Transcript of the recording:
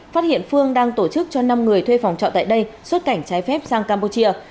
phát hiện phương đang tổ chức cho năm người thuê phòng trọ tại đây xuất cảnh trái phép sang campuchia